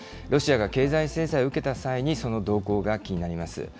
ロシアが経済制裁を受けた際に、その動向が気になります。